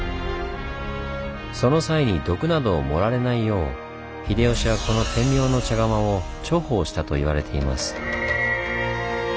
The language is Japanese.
その際に毒などを盛られないよう秀吉はこの天明の茶釜を重宝したといわれています。